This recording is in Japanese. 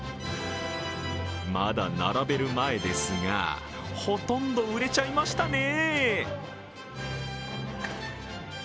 まだ並べる前ですが、ほとんど売れちゃいましたね。